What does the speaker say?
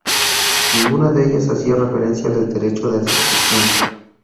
Ninguna de ellas hacía referencia al derecho de asociación.